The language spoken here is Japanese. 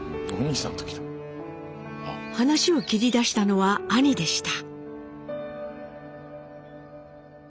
話を切り出したのは兄でした。